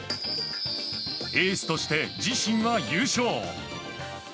エースとして自身が優勝。